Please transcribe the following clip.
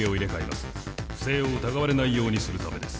不正を疑われないようにするためです。